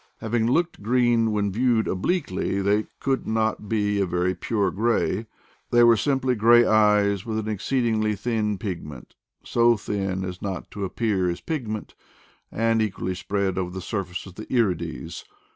Having looked green when viewed obliquely, they could not be a very pure gray: they were simply gray eyes with an exceed ingly thin pigment, so thin as not to appear as pig ment, equally spread over the surface of the irides.